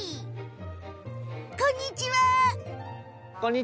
こんにちは！